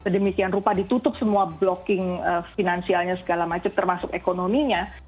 sedemikian rupa ditutup semua blocking finansialnya segala macam termasuk ekonominya